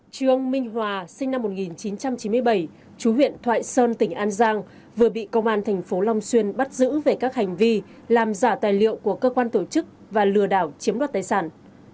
trương minh hòa sinh năm một nghìn chín trăm chín mươi bảy chú huyện thoại sơn tỉnh an giang vừa bị công an tp long xuyên bắt giữ về các hành vi làm giả tài liệu của cơ quan tổ chức và lừa đảo chiếm đoạt tài sản